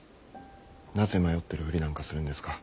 なぜ迷ってるふりなんかするんですか？